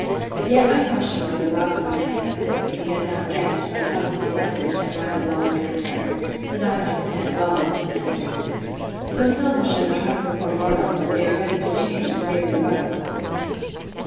But yet I question whether Robin would have said this, if he had not guessed, by Thomas's message, and my resolving to return, that I might stand well with his master. So selfish are the hearts of poor mortals, that they are ready to change as favour goes!